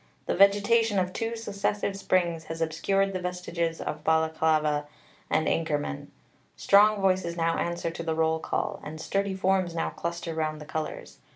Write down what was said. The vegetation of two successive springs has obscured the vestiges of Balaclava and Inkerman. Strong voices now answer to the roll call, and sturdy forms now cluster round the colours.